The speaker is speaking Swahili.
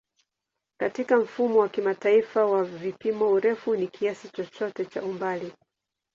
Katika Mfumo wa Kimataifa wa Vipimo, urefu ni kiasi chochote cha umbali.